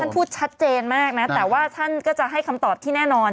พูดชัดเจนมากนะแต่ว่าท่านก็จะให้คำตอบที่แน่นอน